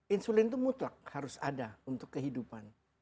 insulin itu mutlak harus ada untuk kehidupan